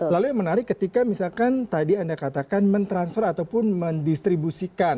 lalu yang menarik ketika misalkan tadi anda katakan mentransfer ataupun mendistribusikan